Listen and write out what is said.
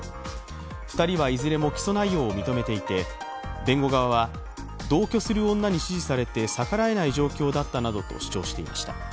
２人はいずれも起訴内容を認めていて、弁護側は同居する女に指示されて逆らえない状況だったなどと主張していました。